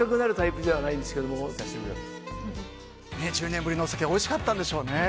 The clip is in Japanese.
１０年ぶりのお酒おいしかったんでしょうね。